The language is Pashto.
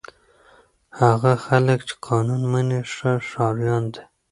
هغه خلک چې قانون مني ښه ښاریان دي.